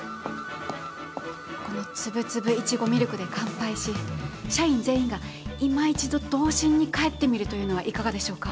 このつぶつぶいちごミルクで乾杯し社員全員がいま一度童心に返ってみるというのはいかがでしょうか。